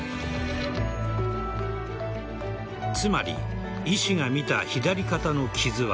つまり、医師が見た左肩の傷は